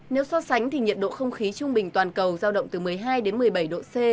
nếu so sánh thì nhiệt độ không khí trung bình toàn cầu giao động từ một mươi hai đến một mươi bảy độ c